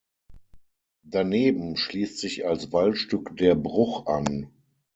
Daneben schließt sich als Waldstück der „Bruch“ an.